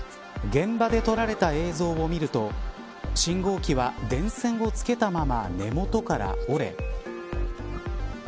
現場で撮られた映像を見ると信号機は、電線をつけたまま根元から折れ。